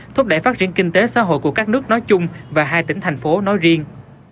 thúc đẩy phát triển kinh tế xã hội của các nước nói chung và hai tỉnh thành phố nói riêng